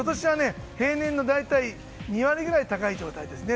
平年の大体２割ぐらい高い状態ですね。